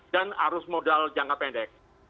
dan arus modal jangka pendek